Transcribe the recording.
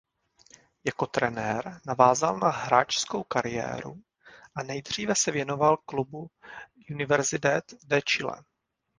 Jako trenér navázal na hráčskou kariéru a nejdříve se věnoval klubu Universidad de Chile.